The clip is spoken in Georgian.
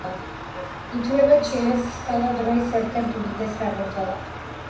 ითვლება ჩილეს ყველა დროის ერთ-ერთ უდიდეს ფეხბურთელად.